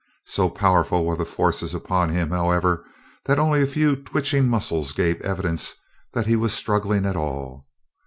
So powerful were the forces upon him, however, that only a few twitching muscles gave evidence that he was struggling at all.